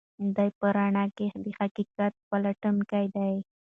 دی په رڼا کې د حقیقت پلټونکی دی.